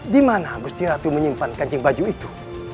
di mana gusti ratu menyimpan kancing baju itu